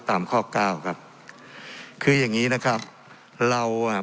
ตามข้อเก้าครับคืออย่างงี้นะครับเราอ่ะ